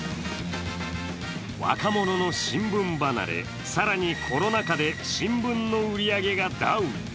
若者の新聞離れ、更にコロナ禍で新聞の売り上げがダウン。